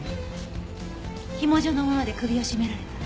紐状のもので首を絞められた。